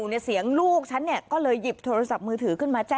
ในเสียงลูกฉันก็เลยหยิบโทรศัพท์มือถือขึ้นมาแจ้ง